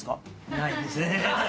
ないですね。